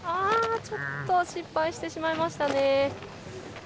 ちょっと失敗してしまいましたね。